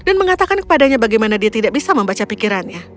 dan mengatakan kepadanya bagaimana dia tidak bisa membaca pikirannya